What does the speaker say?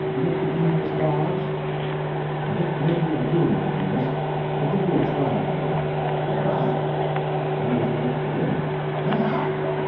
"Nicodemus Dodge." "I think maybe you'll do, Nicodemus. We'll give you a trial, anyway." "All right." "When would you like to begin?" "Now."